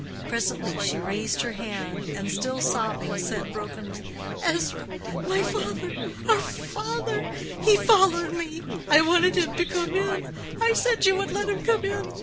Presently she raised her hand, and still sobbing, said brokenly, "Ezra, my father! our father! He followed me. I wanted him to come in. I said you would let him come in.